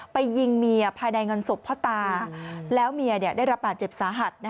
ยิงเมียภายในเงินศพพ่อตาแล้วเมียได้รับบาดเจ็บสาหัส